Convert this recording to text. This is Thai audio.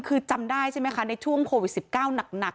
คือจำได้ใช่ไหมคะในช่วงโควิดสิบเก้าหนักหนัก